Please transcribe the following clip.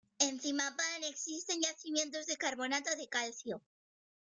En Zimapán existen yacimientos de carbonato de calcio.